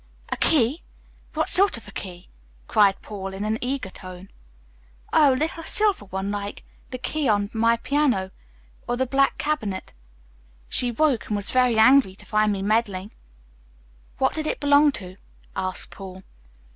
"A key! What sort of a key?" cried Paul in an eager tone. "Oh, a little silver one like the key of my piano, or the black cabinet. She woke and was very angry to find me meddling." "What did it belong to?" asked Paul.